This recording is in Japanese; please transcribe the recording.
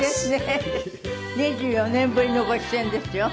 ２４年ぶりのご出演ですよ。